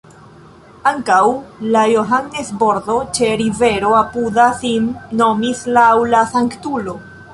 Ankaŭ la Johannes-bordo ĉe rivero apuda sin nomis laŭ la sanktulo.